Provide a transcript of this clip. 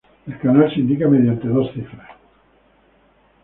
El canal se indica mediante dos cifras.